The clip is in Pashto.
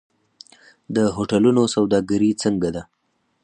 د هوټلونو سوداګري څنګه ده؟